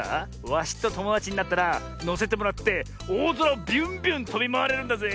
ワシとともだちになったらのせてもらっておおぞらをビュンビュンとびまわれるんだぜ。